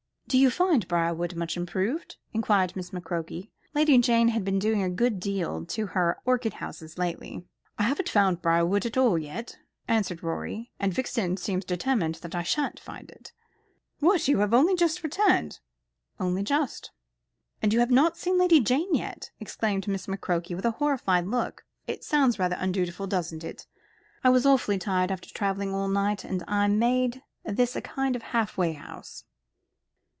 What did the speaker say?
"Do you find Briarwood much improved?" inquired Miss McCroke. Lady Jane had been doing a good deal to her orchid houses lately. "I haven't found Briarwood at all yet," answered Rorie, "and Vixen seems determined I shan't find it." "What, have you only just returned?" "Only just," "And you have not seen Lady Jane yet?" exclaimed Miss McCroke with a horrified look. "It sounds rather undutiful, doesn't it? I was awfully tired, after travelling all night; and I made this a kind of halfway house."